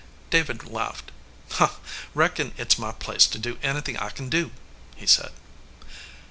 David laughed. "Reckon it s my place to do anythin I kin do," he said.